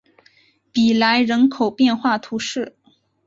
比莱人口变化图示